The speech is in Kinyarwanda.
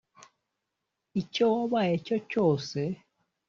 icyo wabaye cyo cyose